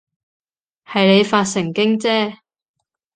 係你發神經啫